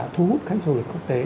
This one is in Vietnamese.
thu hút khách du lịch quốc tế